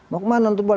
mau kemana nonton bola